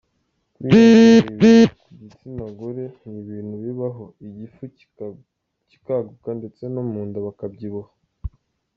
Kwiyongera ibiro ku gitsinagore ni ibintu bibaho, igifu kikaguka ndetse no mu nda hakabyibuha.